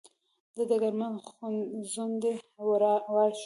د ډګرمن ځونډي وار شو.